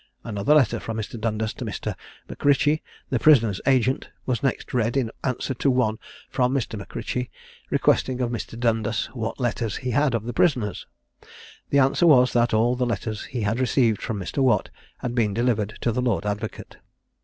Another letter from Mr. Dundas to Mr. M'Ritchie, the prisoner's agent, was next read in answer to one from Mr. M'Ritchie, requesting of Mr. Dundas what letters he had of the prisoner's. The answer was that all the letters he had received from Mr. Watt had been delivered to the lord advocate.